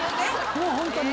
もうホントに。